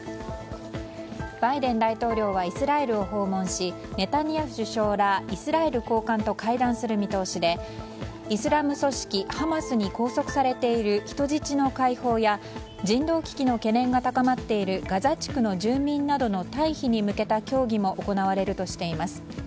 バイデン大統領はイスラエルを訪問しネタニヤフ首相らイスラエル高官と会談する見通しでイスラエル組織ハマスに拘束されている人質の解放や人道危機の懸念が高まっているガザ地区の住民などの退避に向けた協議も行われるとしています。